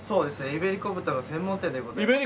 イベリコ豚の専門店でございます。